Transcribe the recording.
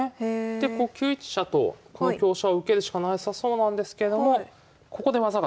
で９一飛車とこの香車を受けるしかなさそうなんですけどもえ技ですか？